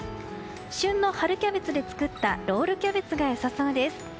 旬の春キャベツで作ったロールキャベツが良さそうです。